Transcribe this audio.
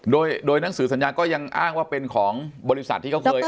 โดยหนังสือสัญญาก็ยังอ้างว่าเป็นของบริษัทที่เขาเคย